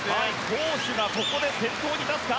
コーシュがここで先頭に立つか。